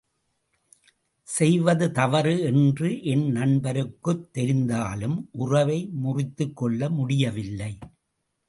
செய்வது தவறு என்று என் நண்பருக்குத் தெரிந்தாலும் உறவை முறித்துக் கொள்ள முடியவில்லை.